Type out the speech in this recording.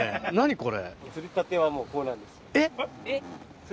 これ。